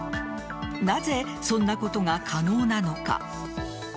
なぜそんなことが可能なのか。